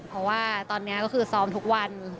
เพราะว่าตอนนี้ก็คือซ้อมทุกวัน